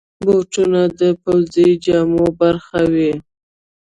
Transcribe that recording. بوټونه د پوځي جامو برخه وي.